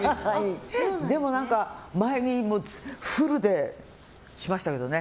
でも、前にフルでしましたけどね。